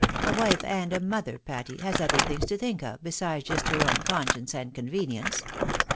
A wife and a mother, Patty, has other things to think of, besides just her own conscience and convenience.